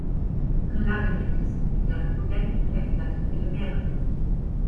Klarinettist in der "Studenten-Ländlerkapelle Bern".